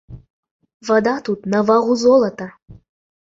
Вада тут на вагу золата.